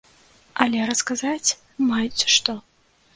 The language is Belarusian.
Але расказаць маюць што.